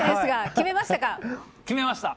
決めました。